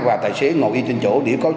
và tài xế ngồi yên trên chỗ